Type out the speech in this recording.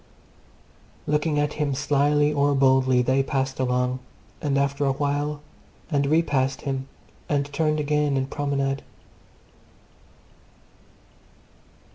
... Looking at him slyly or boldly, they passed along, and turned after a while and repassed him, and turned again in promenade.